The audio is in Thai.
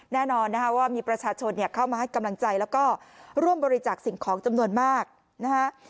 แน่นอนนะคะว่ามีประชาชนเข้ามาให้กำลังใจแล้วก็ร่วมบริจาคสิ่งของจำนวนมากนะฮะ